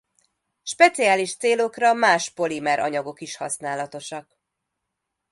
Speciális célokra más polimer anyagok is használatosak.